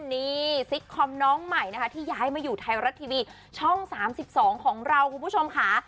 นี่ซิกคอมน้องใหม่นะคะที่ย้ายมาอยู่ไทยรัฐทีวีช่อง๓๒ของเราคุณผู้ชมค่ะ